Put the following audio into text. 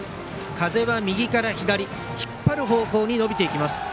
風は右から左引っ張る方向に伸びていきます。